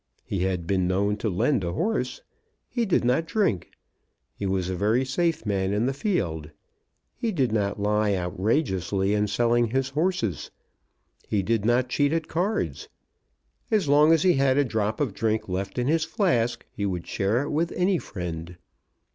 He had been known to lend a horse. He did not drink. He was a very safe man in the field. He did not lie outrageously in selling his horses. He did not cheat at cards. As long as he had a drop of drink left in his flask, he would share it with any friend.